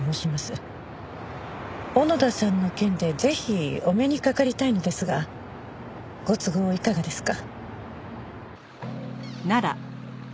小野田さんの件でぜひお目にかかりたいのですがご都合いかがですか？